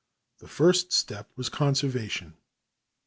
The first step was conservation.